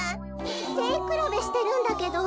せいくらべしてるんだけど。